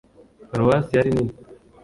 paruwasi yari nini,